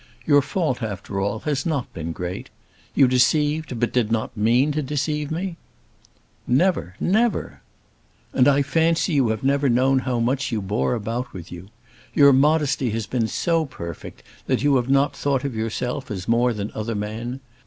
Your fault after all has not been great. You deceived, but did not mean to deceive me?" "Never; never." "And I fancy you have never known how much you bore about with you. Your modesty has been so perfect that you have not thought of yourself as more than other men.